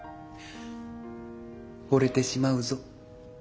惚れてしまうぞ。